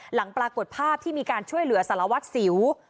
หลังปรากฏภาพที่มีการช่วยเหลือสารวัตรสิว